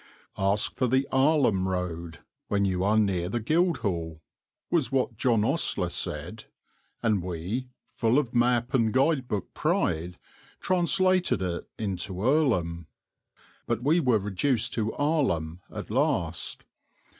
"Ask for the Arlham Road when you are near the Guildhall," was what John Ostler said, and we, full of map and guide book pride, translated it into Earlham; but we were reduced to Arlham at last.